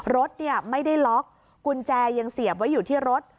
รถไม่ได้ล็อกกุญแจยังเสียบไว้อยู่ที่รถ